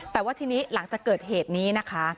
แต่ว่าทีนี้หลังจากเกิดเหตุนี้นะคะ